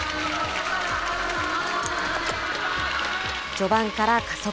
序盤から加速。